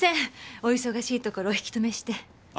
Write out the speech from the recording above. お忙しいところお引止めして。